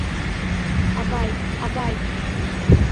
— Авай, авай!